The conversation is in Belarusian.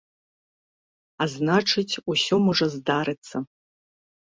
А значыць, усё можа здарыцца.